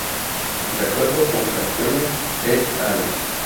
De acuerdo con Campione "et al.